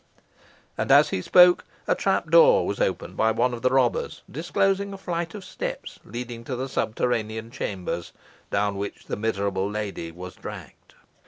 And as he spoke, a trapdoor was opened by one of the robbers, disclosing a flight of steps leading to the subterranean chambers, down which the miserable lady was dragged.